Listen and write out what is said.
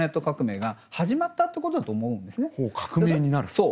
そう。